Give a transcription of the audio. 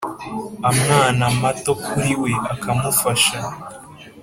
amwana mato kuri we, akamufasha